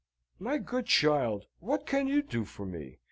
"My good child, what can you do for me?